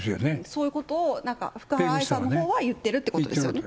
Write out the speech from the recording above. そういうことを、なんか福原愛さんのほうはいってるってことですよね。